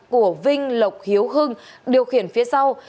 của vinh lộc hiếu hưng điều khiển phía sau